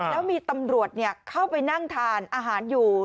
แล้วมีตำรวจเข้าไปนั่งทานอาหารอยู่